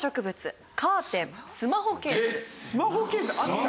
スマホケースあった？